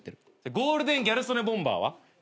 ゴールデンギャル曽根ボンバーは？